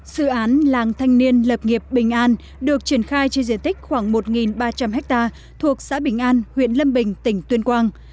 sự án làng thanh niên lập nghiệp bình an được triển khai trên diện tích khoảng một ba trăm linh ha thuộc xã bình an huyện lâm bình tỉnh tuyên quang